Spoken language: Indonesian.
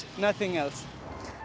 tidak ada yang lain